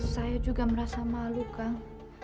saya juga merasa malu kang